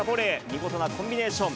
見事なコンビネーション。